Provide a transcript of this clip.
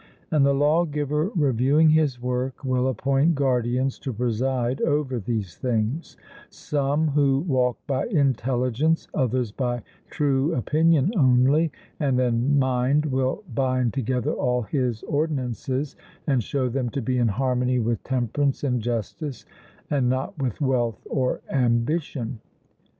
And the lawgiver reviewing his work, will appoint guardians to preside over these things, some who walk by intelligence, others by true opinion only, and then mind will bind together all his ordinances and show them to be in harmony with temperance and justice, and not with wealth or ambition.